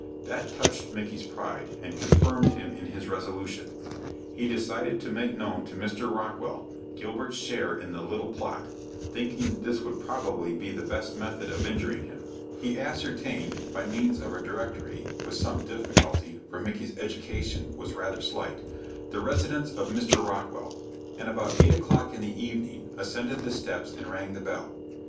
That touched Micky's pride, and confirmed him in his resolution. He decided to make known to Mr. Rockwell Gilbert's share in the little plot, thinking that this would probably be the best method of injuring him. He ascertained, by means of a directory, with some difficulty, for Micky's education was rather slight, the residence of Mr. Rockwell, and about eight o'clock in the evening ascended the steps and rang the bell.